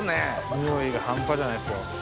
匂いが半端じゃないですよ。